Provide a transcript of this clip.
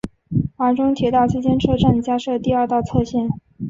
华中铁道期间车站加设第二条侧线。